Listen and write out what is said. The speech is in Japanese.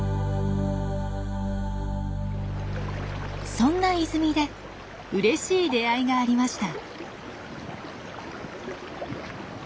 そんな泉でうれしい出会いがありました。